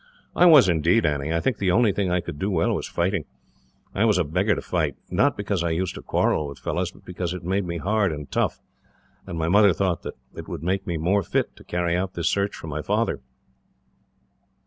"I was indeed, Annie. I think the only thing I could do well was fighting. I was a beggar to fight not because I used to quarrel with fellows, but because it made me hard and tough, and my mother thought that it would make me more fit to carry out this search for my father."